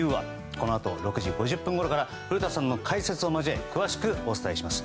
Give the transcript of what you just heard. このあと６時５０分ごろから古田さんの解説を交え詳しくお伝えします。